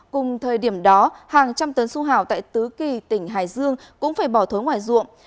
cùng thời điểm đó hàng trăm tấn su hảo tại tứ kỳ tỉnh hải dương cũng phải bỏ thối ngoài ruộng